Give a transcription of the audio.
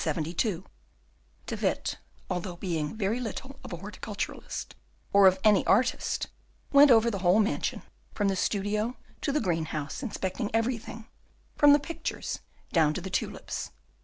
De Witt, although being very little of a horticulturist or of an artist, went over the whole mansion, from the studio to the green house, inspecting everything, from the pictures down to the tulips.